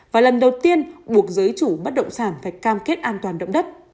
và lần đầu tiên buộc giới chủ bất động sản phải cam kết an toàn động đất